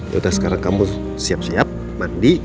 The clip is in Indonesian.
yaudah sekarang kamu siap siap mandi